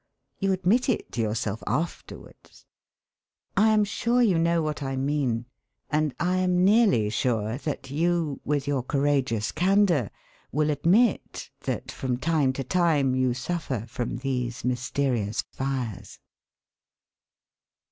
You admit it to yourself afterwards. I am sure you know what I mean. And I am nearly sure that you, with your courageous candour, will admit that from time to time you suffer from these mysterious 'fires.'